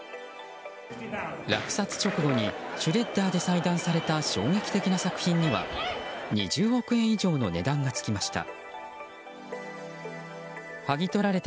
落札直後にシュレッダーで裁断された衝撃的な作品には２０億円以上の値段がつきました。